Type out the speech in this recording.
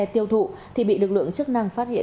tiêu thụ thì bị lực lượng chức năng phát hiện